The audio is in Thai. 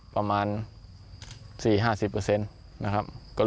ประมาณ๔๕๐นะครับ